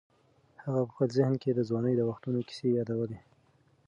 هغه په خپل ذهن کې د ځوانۍ د وختونو کیسې یادولې.